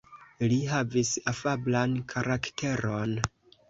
Li havis afablan karakteron.